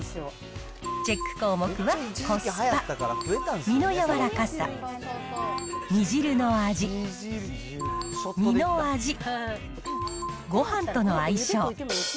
チェック項目はコスパ、身の柔らかさ、煮汁の味、身の味、ごはんとの相性。